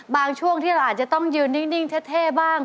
ช่วงที่เราอาจจะต้องยืนนิ่งเท่บ้าง